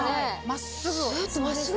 真っすぐ。